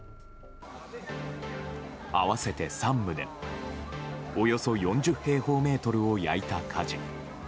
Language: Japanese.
合わせて３棟およそ４０平方メートルを焼いた火事。